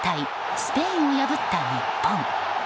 スペインを破った日本。